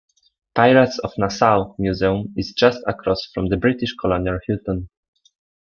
Pirates of Nassau Museum is just across from the British Colonial Hilton.